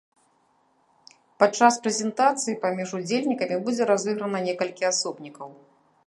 Падчас прэзентацыі паміж удзельнікамі будзе разыграна некалькі асобнікаў!